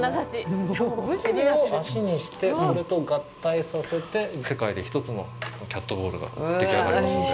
これを脚にして、これと合体させて世界で一つのキャットボウルができ上がりますので。